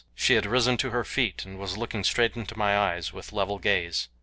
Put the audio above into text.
She had risen to her feet, and was looking straight into my eyes with level gaze.